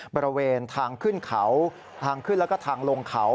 บริเวณทางขึ้นเขาทางขึ้นแล้วก็ทางลงเขา